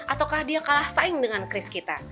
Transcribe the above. ataukah dia kalah saing dengan chris kita